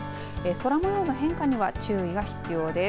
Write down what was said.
空もようの変化には注意が必要です。